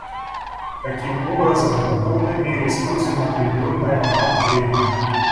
Таким образом, мы в полной мере используем отведенное нам время.